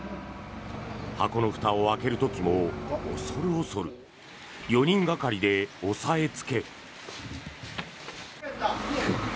箱のふたを開ける時も恐る恐る４人がかりで押さえつけ。